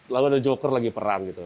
lalu ada joker lagi perang gitu